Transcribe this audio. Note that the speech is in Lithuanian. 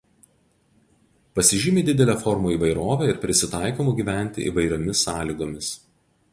Pasižymi didele formų įvairove ir prisitaikymu gyventi įvairiomis sąlygomis.